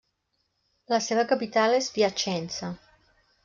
La seva capital és Piacenza.